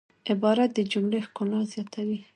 عبارت د جملې ښکلا زیاتوي.